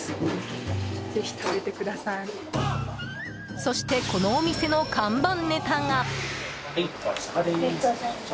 そして、このお店の看板ネタが。